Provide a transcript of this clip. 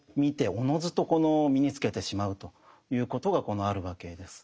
おのずと身につけてしまうということがあるわけです。